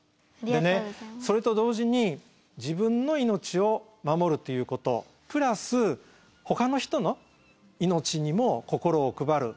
でねそれと同時に自分の命を守るということプラスほかの人の命にも心を配る。